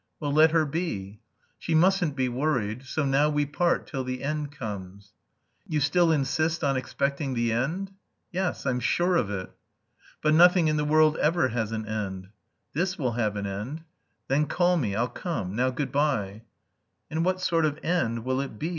"Well, let her be." "She mustn't be worried. So now we part till the end comes." "You still insist on expecting the end?" "Yes, I'm sure of it." "But nothing in the world ever has an end." "This will have an end. Then call me. I'll come. Now, good bye." "And what sort of end will it be?"